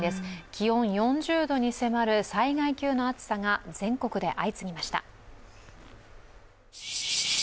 気温４０度に迫る災害級の暑さが全国で相次ぎました。